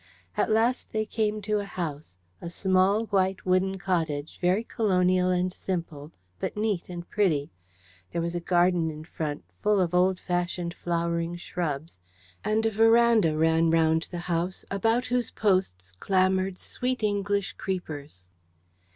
At last they came to a house, a small white wooden cottage, very colonial and simple, but neat and pretty. There was a garden in front, full of old fashioned flowering shrubs; and a verandah ran round the house, about whose posts clambered sweet English creepers.